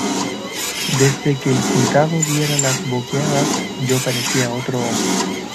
desde que el cuitado diera las boqueadas, yo parecía otro hombre: